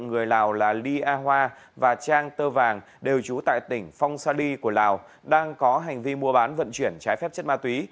người lào là ly a hoa và trang tơ vàng đều trú tại tỉnh phong sa ly của lào đang có hành vi mua bán vận chuyển trái phép chất ma túy